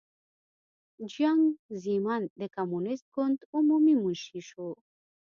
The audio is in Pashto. جیانګ زیمن د کمونېست ګوند عمومي منشي شو.